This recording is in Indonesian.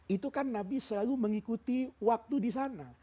itu kan nabi selalu mengikuti waktu di sana